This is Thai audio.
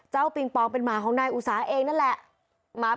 ปิงปองเป็นหมาของนายอุสาเองนั่นแหละ